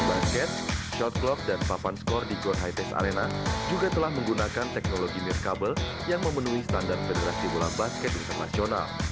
basket shot clock dan papan skor di gorhaites arena juga telah menggunakan teknologi mirkabel yang memenuhi standar federasi bola basket internasional